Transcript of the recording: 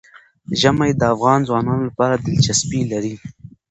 ژمی د افغان ځوانانو لپاره دلچسپي لري.